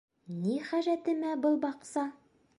Ни хәжәтемә был баҡса?